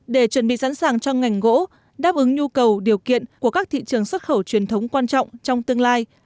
để chuẩn bị sẵn sàng cho ngành gỗ đáp ứng nhu cầu điều kiện của các thị trường xuất khẩu truyền thống quan trọng trong tương lai